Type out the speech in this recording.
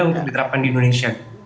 untuk diterapkan di indonesia